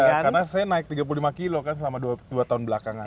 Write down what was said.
iya karena saya naik tiga puluh lima kilo kan selama dua tahun belakangan